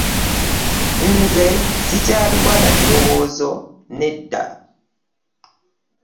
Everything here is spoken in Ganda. Nze ssikyabiwa na biriwoozo nedda.